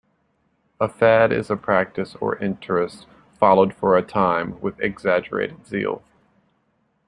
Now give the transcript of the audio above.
A fad is a practice or interest followed for a time with exaggerated zeal.